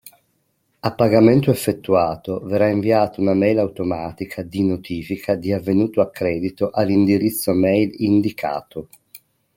A pagamento effettuato verrà inviata una e-mail automatica di notifica di avvenuto accredito all'indirizzo mail indicato.